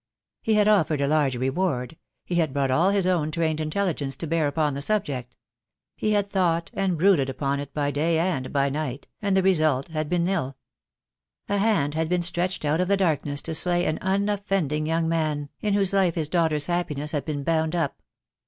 He had offered a large reward, he had brought all his own trained intelligence to bear upon the subject; he had thought and brooded upon it by day and by night; and the result had been nil. A hand had been stretched out of the darkness to slay an unoffending young man, in whose life his daughter's happiness had been bound up.